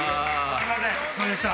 すんません！